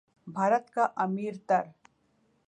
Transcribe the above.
بھارت کا امیر تر